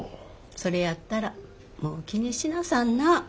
それやったらもう気にしなさんな。